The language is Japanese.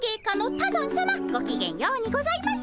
ごきげんようにございます。